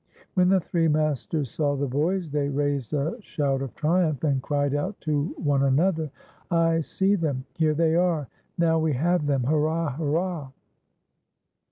When the three masters saw the bo\ s, they raised a shout of triumph, and cried out to one another : "I see them;" ''Here they are;" ''Now we have them ;"" Hurrah ! hurrah